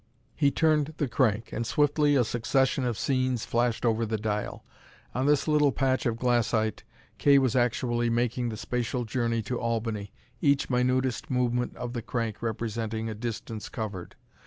He turned the crank, and swiftly a succession of scenes flashed over the dial. On this little patch of glassite, Kay was actually making the spatial journey to Albany, each minutest movement of the crank representing a distance covered.